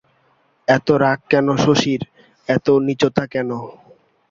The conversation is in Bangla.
এত রাগ কেন শশীর, এত নীচতা কেন?